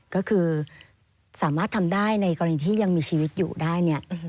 ก็คือสามารถทำได้ในกรณีที่ยังมีชีวิตอยู่ได้เนี่ย